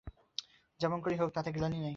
যেমন করেই হোক, তাতে গ্লানি নেই।